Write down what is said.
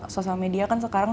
social media kan sekarang